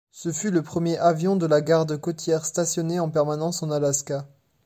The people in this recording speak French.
Ce fut le premier avion de la Garde côtière stationnés en permanence en Alaska.